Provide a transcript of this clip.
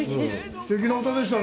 すてきな歌でしたね。